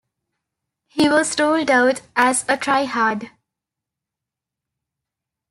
He was ruled out as a try hard.